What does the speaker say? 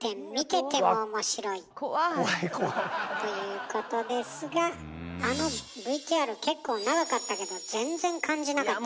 怖い。ということですがあのＶＴＲ結構長かったけど全然感じなかったわね。